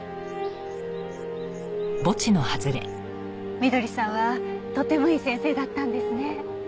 翠さんはとてもいい先生だったんですね。